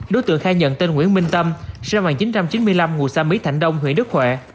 đối tượng khai nhận tên nguyễn minh tâm xe bằng chín trăm chín mươi năm ngùa xa mỹ thạnh đông huyện đức huệ